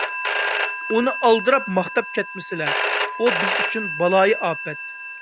ئۇنى ئالدىراپ ماختاپ كەتمىسىلە، ئۇ بىز ئۈچۈن بالايىئاپەت.